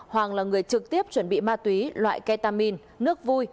hoàng là người trực tiếp chuẩn bị ma túy loại ketamin nước vui